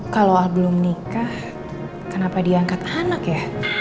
kalau al belum nikah kenapa dia angkat anak ya